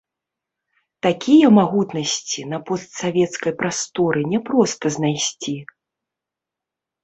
Такія магутнасці на постсавецкай прасторы няпроста знайсці.